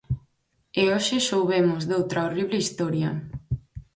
E hoxe soubemos doutra horrible historia.